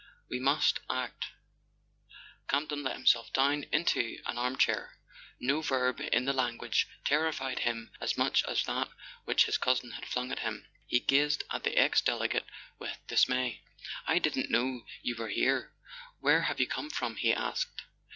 We must ad/" Campton let himself down into an armchair. No verb in the language terrified him as much as that which his cousin had flung at him. He gazed at the ex Delegate with dismay. "I didn't know you were here. Where have you come from?" he asked.